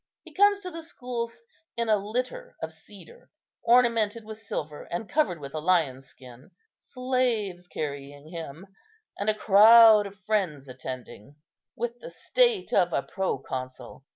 He comes to the schools in a litter of cedar, ornamented with silver and covered with a lion's skin, slaves carrying him, and a crowd of friends attending, with the state of a proconsul.